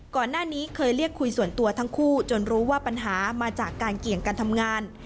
ก่อนหน้านี้เคยเรียกคุยส่วนตัวทั้งคู่จนรู้ว่าปัญหามาจากการเกี่ยงการทำงาน